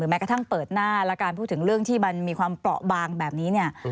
แม้กระทั่งเปิดหน้าและการพูดถึงเรื่องที่มันมีความเปราะบางแบบนี้เนี่ย